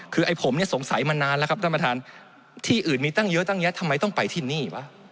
คือไอ้ผมเนี่ยสงสัยมานานแล้วครับท่านประธานที่อื่นมีตั้งเยอะตั้งแยะทำไมต้องไปที่นี่วะ